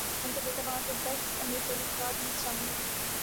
ان کا بیٹا وہاں کے دس امیرترین افراد میں شامل ہے۔